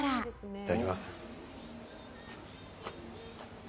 いただきます。